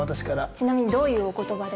ちなみにどういうお言葉で？